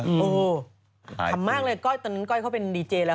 ซิ้นอ้ายทำมากเลยตอนนั้นก้อยเค้าเป็นดีเจเลย